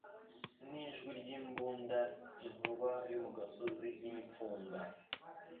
N'ijwi ry'imbunda inkuba yo mu gasozi y'imipfunda